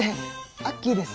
アッキーです。